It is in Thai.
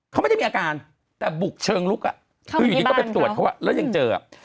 เขาไม่ได้มีอาการแต่บุกเชิงลุกอ่ะคืออยู่ดีก็ไปตรวจเขาแล้วยังเจออ่ะ